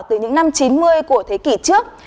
từ những năm chín mươi của thế kỷ trước